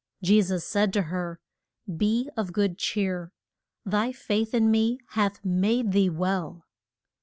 Je sus said to her, Be of good cheer. Thy faith in me hath made thee well.